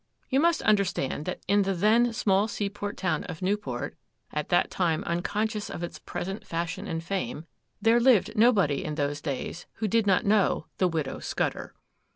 You must understand that in the then small seaport town of Newport, at that time unconscious of its present fashion and fame, there lived nobody in those days who did not know 'the Widow Scudder.